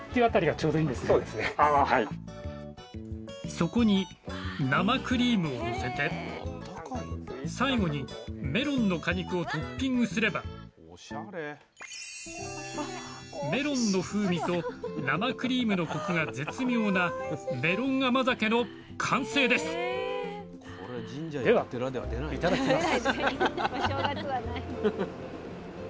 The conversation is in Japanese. そこに生クリームをのせて最後にメロンの果肉をトッピングすればメロンの風味と生クリームのコクが絶妙なメロン甘酒の完成ですではいただきます。